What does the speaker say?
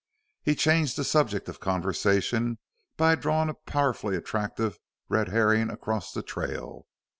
He changed the subject of conversation by drawing a powerfully attractive red herring across the trail.